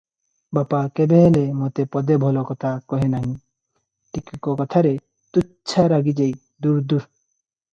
ବାପା କେବେହେଲେ ମତେ ପଦେ ଭଲ କଥା କହେ ନାହିଁ, ଟିକକ କଥାରେ ତୁଚ୍ଛା ରାଗିଯାଇ, 'ଦୂର୍ ଦୂର୍!